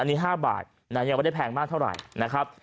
อันนี้๕บาทยังไม่ได้แพงมากเท่าไหร่นะครับ